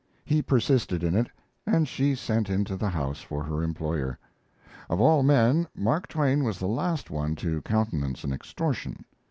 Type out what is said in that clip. He persisted in it, and she sent into the house for her employer. Of all men, Mark Twain was the last one to countenance an extortion.